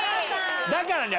だからね